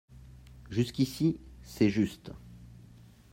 Jusqu’ici, c’est juste